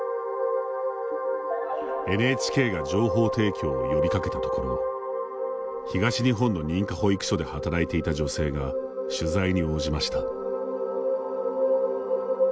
ＮＨＫが情報提供を呼びかけたところ東日本の認可保育所で働いていた女性が取材に応じました。